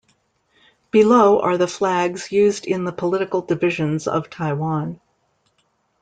Below are the flags used in the political divisions of Taiwan.